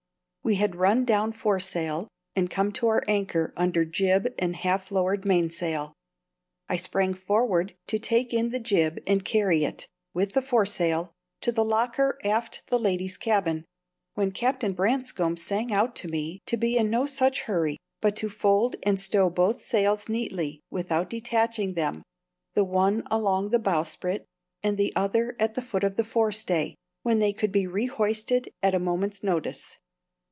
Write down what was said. We had run down foresail and come to our anchor under jib and half lowered mainsail. I sprang forward to take in the jib and carry it, with the foresail, to the locker abaft the ladies' cabin, when Captain Branscome sang out to me to be in no such hurry, but to fold and stow both sails neatly without detaching them the one along the bowsprit, the other at the foot of the fore stay, when they could be re hoisted at a moment's notice.